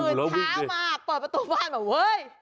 ตื่นเช้ามาเปิดประตูบ้านมาเว้ย